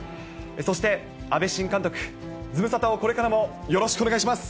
そして阿部新監督、ズムサタをこれからもよろしくお願いします。